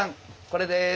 これです。